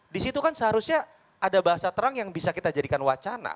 di situ kan seharusnya ada bahasa terang yang bisa kita jadikan wacana